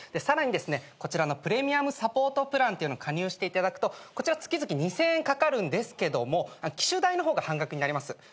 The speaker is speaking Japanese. さらにですねこちらのプレミアムサポートプランっていうの加入していただくとこちら月々２，０００円かかるんですけども機種代の方が半額になります。